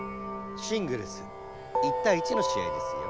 シングルス１たい１のし合ですよ。